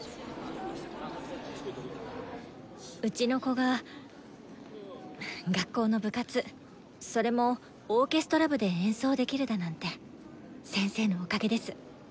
うちの子が学校の部活それもオーケストラ部で演奏できるだなんて先生のおかげです。